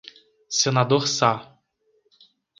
Senador Sá